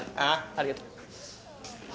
ありがとう。